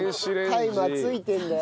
タイマー付いてるんだよな。